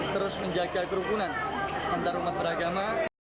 terus menjaga kerukunan antarumat beragama